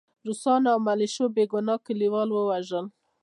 روسانو او ملیشو بې ګناه کلیوال ووژل